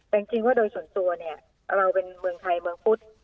แต่จริงว่าโดยส่วนตัวเนี่ยเราเป็นเมืองไทยเมืองพุทธ